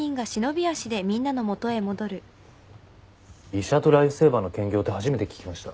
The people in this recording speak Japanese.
医者とライフセーバーの兼業って初めて聞きました。